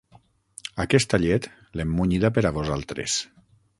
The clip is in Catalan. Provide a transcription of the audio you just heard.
Aquesta llet, l'hem munyida per a vosaltres.